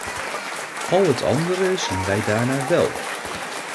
Al het andere zien wij daarna wel.